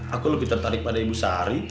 aku lebih tertarik pada ibu sari